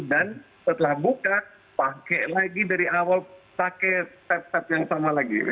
dan setelah buka pakai lagi dari awal pakai step step yang sama lagi